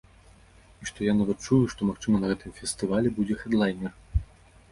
І што я нават чую, што, магчыма, на гэтым фестывалі будзе хэдлайнер.